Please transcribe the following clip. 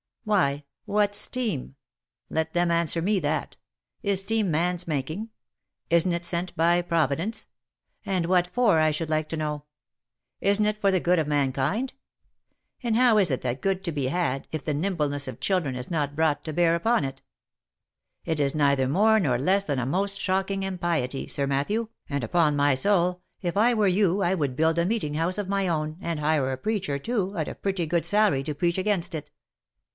Why, what's steam ?— Let them answer me that. Is steam man's making ? Isn't it sent by Providence ? And what for, I should like to know ? Isn't it for the good of mankind ? And how is that good to be had, if the nimbleness of children is not brought to bear upon it ? It is neither more nor less than a most shocking impiety, Sir Matthew ; and, upon my soul, if I were you I would build a meeting house of my own, and hire a preacher too, at a pretty good salary, to preach against it.